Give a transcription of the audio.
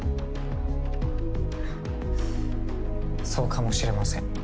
はっそうかもしれません。